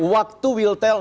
waktu will tell